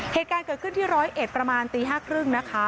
เหตุการณ์เกิดขึ้นที่๑๑๐๐ประมาณ๕๓๐น